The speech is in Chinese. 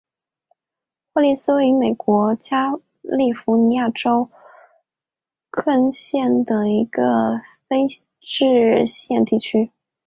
霍利斯是位于美国加利福尼亚州克恩县的一个非建制地区。